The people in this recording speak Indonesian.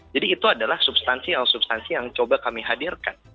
jadi itu adalah substansi yang coba kami hasilkan